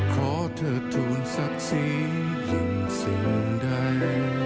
ขอเธอทูลศักดิ์ศรียิ่งสิ่งใด